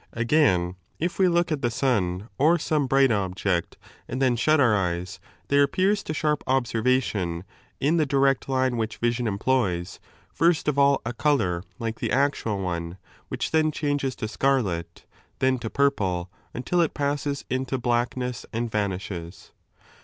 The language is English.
5 Again, if we look at the sun or some bright object, and then shut our eyes, there appears to sharp observation, in the direct line which vision employs, first of all a colonr like the actual one, which then changes to scarlet, then to 6 purple, until it passes into blackness and vanishes.